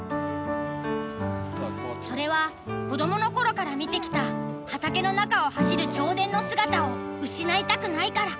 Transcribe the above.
それは子どもの頃から見てきた畑の中を走る銚電の姿を失いたくないから。